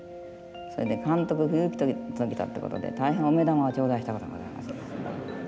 それで監督不行き届きだっていうことで大変お目玉を頂戴したことがございます。